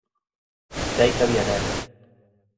Seica había neve.